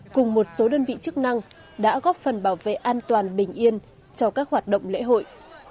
cùng một số đơn vị chức năng đã góp phần bảo vệ an toàn bình yên cho các hoạt động lễ hội